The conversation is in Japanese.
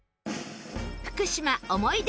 福島思い出